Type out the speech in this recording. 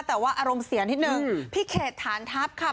แต่ว่าอารมณ์เสียนิดนึงพี่เขตฐานทัพค่ะ